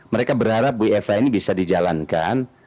mereka berharap wfa ini bisa dijalankan